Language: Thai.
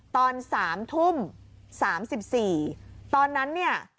ตอน๓ทุ่ม๓๔ตอนนั้นเนี่ย